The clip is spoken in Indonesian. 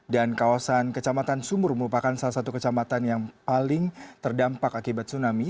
dan kawasan kecamatan sumur merupakan salah satu kecamatan yang paling terdampak akibat tsunami